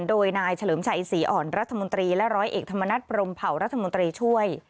โดยนายเฉลิมชัยศรีอ่อนรัฐมนตรีและร้อยเอกธรรมนัฐพรมเผารัฐมนตรีช่วย